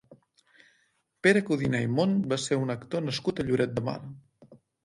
Pere Codina i Mont va ser un actor nascut a Lloret de Mar.